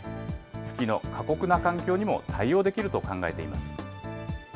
月の過酷な環境にも対応できると考えています。